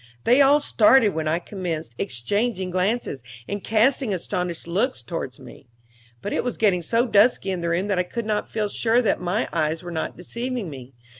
They all started when I commenced, exchanging glances, and casting astonished looks towards me; but it was getting so dusky in the room that I could not feel sure that my eyes were not deceiving me.